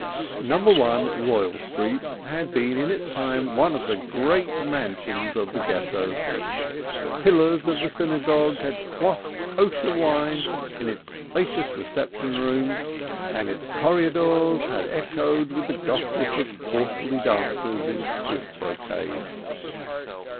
No. 1 Royal Street had been in its time one of the great mansions of the Ghetto; pillars of the synagogue had quaffed kosher wine in its spacious reception rooms and its corridors had echoed with the gossip of portly dames in stiff brocades.